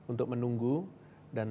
untuk menunggu dan